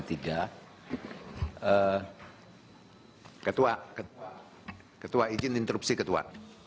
ketua ketua ketua izin interupsi ketua